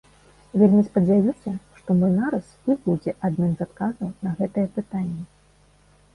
Вельмі спадзяюся, што мой нарыс і будзе адным з адказаў на гэтае пытанне.